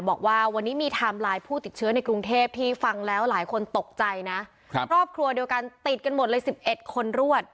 บอกว่าวันนี้มีไทม์ไลน์ผู้ติดเชื้อในกรุงเทพที่ฟังแล้วหลายคนตกใจนะครับครอบครัวเดียวกันติดกันหมดเลย๑๑คนรวด